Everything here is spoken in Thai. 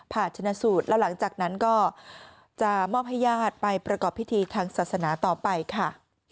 ชนะสูตรแล้วหลังจากนั้นก็จะมอบให้ญาติไปประกอบพิธีทางศาสนาต่อไปค่ะ